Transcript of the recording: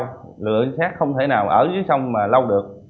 lực lượng trinh sát không thể nào ở dưới sông mà lâu được